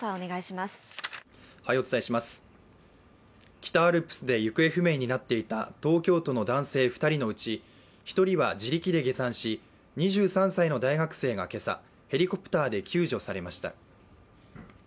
北アルプスで行方不明になっていた東京都の男性２人のうち１人は自力で下山し、２３歳の大学生が今朝、ヘリコプターで救助されました。